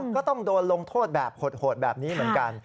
ก็ต้องโดนลงโทษแบบโหดแบบนี้เหมือนกัน